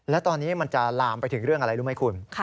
และตอนนี้มันจะลามไปถึงเรื่องอะไรรู้ไหมคุณ